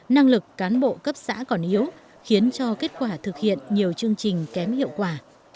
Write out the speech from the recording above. năng lực cán bộ cấp xã còn yếu khiến cho kết quả thực hiện nhiều chương trình kém hiệu quả